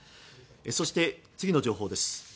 そして、次の情報です。